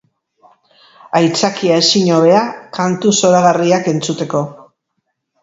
Aitzakia ezinhobea kantu zoragarriak entzuteko.